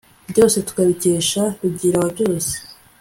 byose tukabikesha rugira wa byose